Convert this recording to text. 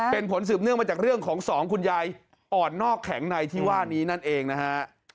เป็นผลสืบเนื่องมาจากเรื่องของสองคุณยายอ่อนนอกแข็งในที่ว่านี้นั่นเองนะฮะ